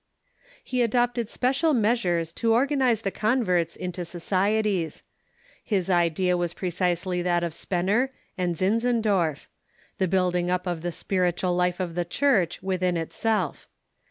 He adopted special measures to organize the converts into societies. His idea was precisely that of Spener and Zinzen n.„,„i,i„„ dorf — the buildincj up of the spiritual life of the Organizing si i Power of Church within itself.